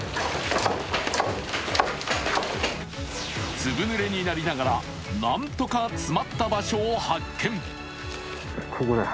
ずぶぬれになりながら何とか詰まった場所を発見。